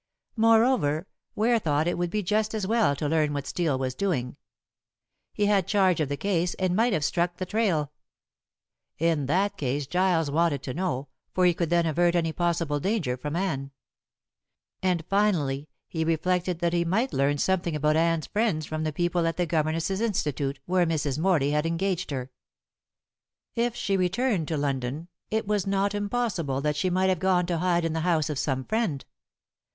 Moreover, Ware thought it would be just as well to learn what Steel was doing. He had charge of the case and might have struck the trail. In that case Giles wanted to know, for he could then avert any possible danger from Anne. And finally he reflected that he might learn something about Anne's friends from the people at the Governesses' Institute where Mrs. Morley had engaged her. If she returned to London it was not impossible that she might have gone to hide in the house of some friend.